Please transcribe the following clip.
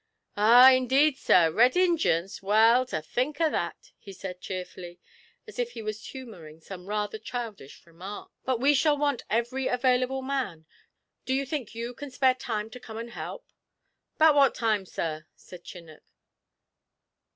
'Ah, indeed, sir! Red Injians? Well, to think o' that!' he said cheerfully, as if he was humouring some rather childish remark. 'But we shall want every available man; do you think you can spare time to come and help?' ''Bout what time, sir?' said Chinnock.